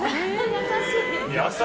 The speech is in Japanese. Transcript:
優しい。